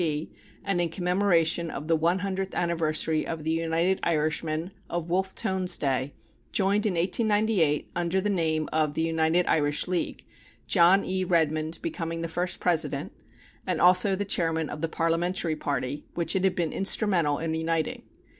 P., and in commemoration of the one hundredth anniversary of the United Irishmen of Wolfe Tone's day, joined in 1898 under the name of the United Irish League, John E. Redmond becoming the first president, and also the chairman of the Parliamentary Party which it had been instrumental in uniting.